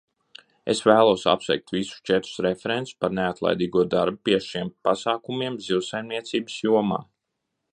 Es vēlos apsveikt visus četrus referentus par neatlaidīgo darbu pie šiem pasākumiem zivsaimniecības jomā.